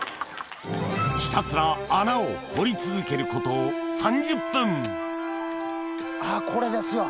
ひたすら穴を掘り続けること３０分あこれですわ！